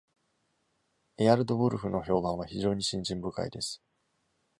Ealdwulf の評判は非常に信心深いです。